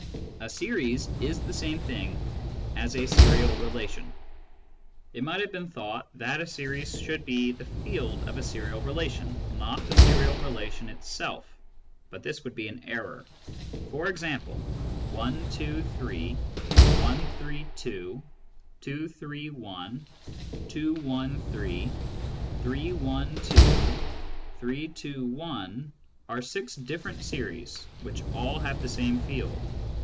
A series is the same thing as a serial relation. It might have been thought that a series should be the field. of a serial relation, not the serial relation itself. But this would be an error. For example, I, 2, 3 ; 1, 3, 2 ; 2, 3, 1 ; 2, I, 3 ; 3, I, 2 ; 3, 2, I are six different series which all have the same field.